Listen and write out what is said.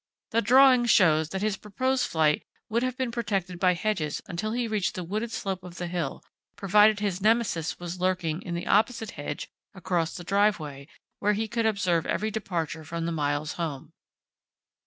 The drawing shows that his proposed flight would have been protected by hedges until he reached the wooded slope of the hill, provided his Nemesis was lurking in the opposite hedge across the driveway, where he could observe every departure from the Miles home."